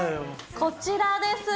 こちらです。